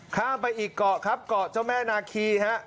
ข้ามไปอีกเกาะครับเกาะเจ้าแม่นาคีฮะ